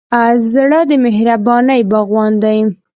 زړه د مهربانۍ باغوان دی.